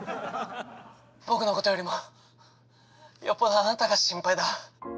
僕のことよりもよっぽどあなたが心配だ。